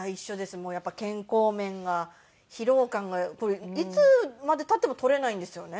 もうやっぱり健康面が疲労感がこれいつまで経っても取れないんですよね。